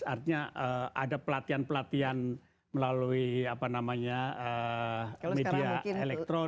artinya ada pelatihan pelatihan melalui apa namanya media elektronik